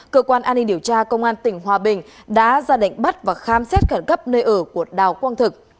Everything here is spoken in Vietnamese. cơ quan an ninh điều tra công an tỉnh hòa bình đã ra lệnh bắt và khám xét khẩn cấp nơi ở của đào quang thực